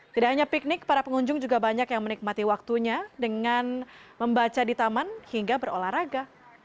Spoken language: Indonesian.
tidak hanya piknik para pengunjung juga banyak yang menikmati waktunya dengan membaca di taman hingga berolahraga